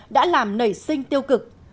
đã làm nảy sinh tiêu cực